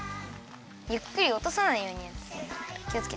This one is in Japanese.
ゆっくりおとさないようにきをつけてね。